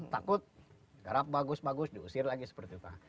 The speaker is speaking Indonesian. takut garap bagus bagus diusir lagi seperti itu